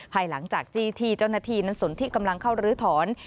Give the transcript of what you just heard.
ภายหลังจากจี้ที่เจ้าหน้าที่นั้นสนที่กำลังเข้ารื้อถอน